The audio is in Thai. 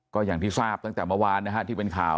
ก็อย่างที่ทราบตั้งแต่เมื่อวานนะฮะที่เป็นข่าว